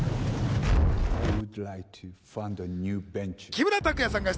木村の拓哉さんよ。